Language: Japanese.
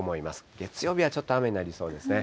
月曜日はちょっと雨になりそうですね。